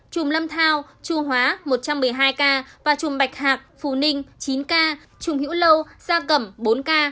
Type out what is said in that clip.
chùm lâm thao chù hóa một trăm một mươi hai ca và chùm bạch hạc phù ninh chín ca chùm hữu lâu gia cẩm bốn ca